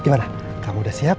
gimana kamu udah siap